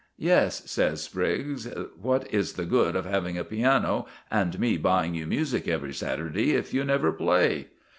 "Yes," says Spriggs, "what is the good of having a piano, and me buying you music every Saturday, if you never play?"